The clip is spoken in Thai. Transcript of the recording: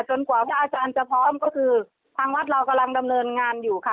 กว่าพระอาจารย์จะพร้อมก็คือทางวัดเรากำลังดำเนินงานอยู่ค่ะ